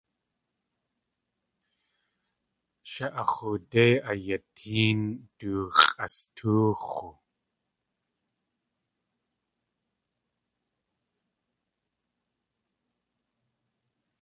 Shé a x̲oodé ayatéen du x̲ʼastóox̲u.